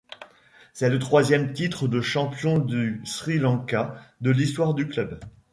C'est le troisième titre de champion du Sri Lanka de l'histoire du club.